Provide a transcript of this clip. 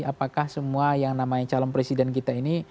apakah semua yang namanya calon presiden kita ini